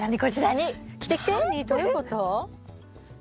どういうこと？